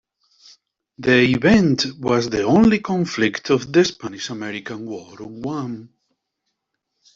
The event was the only conflict of the Spanish-American War on Guam.